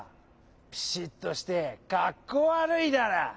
ピシッとしてかっこわるいダラ。